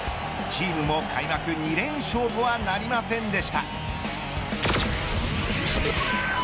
チームも開幕２連勝とはなりませんでした。